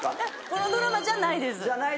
このドラマじゃないです。